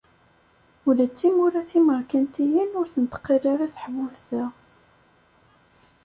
Ula d timura timerkantiyin ur tent-tqal ara teḥbubt-a.